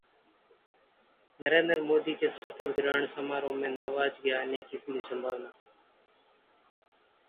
नरेंद्र मोदी के शपथ-ग्रहण समारोह में नवाज के आने की पूरी संभावना